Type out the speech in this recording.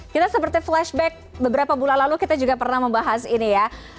kita seperti flashback beberapa bulan lalu kita juga pernah membahas ini ya